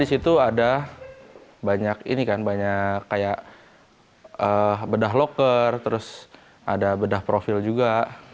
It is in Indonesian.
di situ ada banyak ini kan banyak kayak bedah loker terus ada bedah profil juga